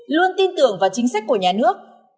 luôn tin tưởng vào chính sách của nhà nước